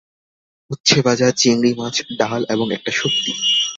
উচ্ছে ভাজা, চিংড়ি মাছ, ডাল এবং একটা শক্তি।